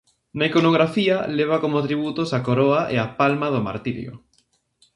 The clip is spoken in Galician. Na iconografía leva como atributos a coroa e a palma do martirio.